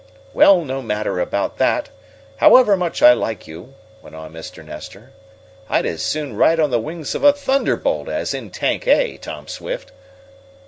"Well, no matter about that. However much I like you," went on Mr. Nestor, "I'd as soon ride on the wings of a thunderbolt as in Tank A, Tom Swift."